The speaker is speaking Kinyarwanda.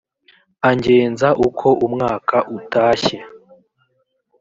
agenza uko umwaka utashye